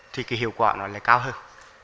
thì hiệu quả nó lại cao hơn